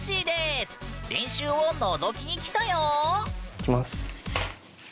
いきます。